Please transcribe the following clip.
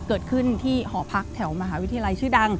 เกิดขึ้นที่หอพักแถวมหาวิทยาลัยชื่อดัง